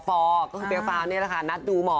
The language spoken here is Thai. ก็คือเฟียฟาวนี่แหละค่ะนัดดูหมอ